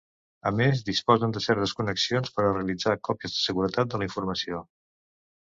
A més disposen de certes connexions per a realitzar còpies de seguretat de la informació.